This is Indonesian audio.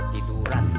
tiduran pak dita